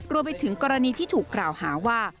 รวมไปถึงกรณีที่ถูกกล่าวหาว่า